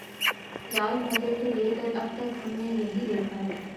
لال مسجد سے لے کر اب تک ہم نے یہی دیکھا۔